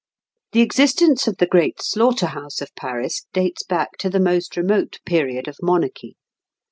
] The existence of the great slaughter house of Paris dates back to the most remote period of monarchy.